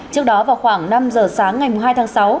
trước đó vào khoảng năm giờ sáng ngày hai tháng sáu